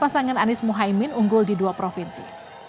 sangen anies muhaymin unggul di dua provinsi